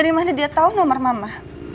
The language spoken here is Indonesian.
dari mana dia tahu nomor mama